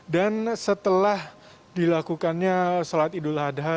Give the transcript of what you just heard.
dan setelah dilakukannya sholat idul adha